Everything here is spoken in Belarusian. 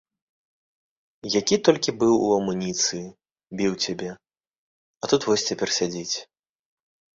Які толькі быў у амуніцыі, біў цябе, а тут вось цяпер сядзіць.